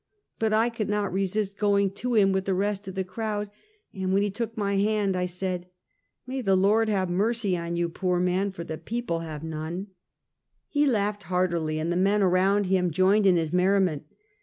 But I could not resist going to him with the rest of the crowd, and when he^^took my hand I said: " MajT the Lord have mercy on you, poor man, for the people have none." A Missive and a Mission. 237 He laiiglied heartily, and the men around him, joined in his merriment.